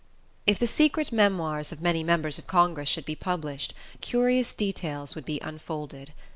If the secret memoirs of many members of Congress should be published, curious details would be unfolded.